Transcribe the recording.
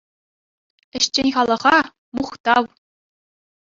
Ӗҫчен халӑха — мухтав!